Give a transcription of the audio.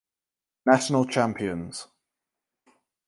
National Champions.